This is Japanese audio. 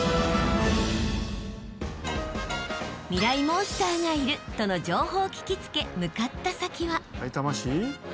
モンスターがいるとの情報を聞き付け向かった先は］